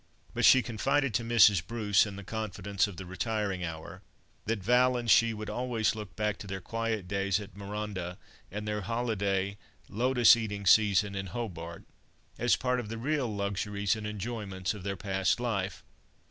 But she confided to Mrs. Bruce, in the confidence of the retiring hour, that Val and she would always look back to their quiet days at Marondah, and their holiday, lotus eating season in Hobart, as part of the real luxuries and enjoyments of their past life.